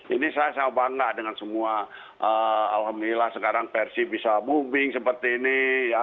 ini saya sangat bangga dengan semua alhamdulillah sekarang versi bisa moving seperti ini